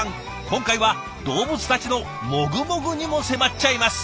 今回は動物たちのもぐもぐにも迫っちゃいます。